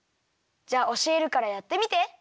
じゃあおしえるからやってみて。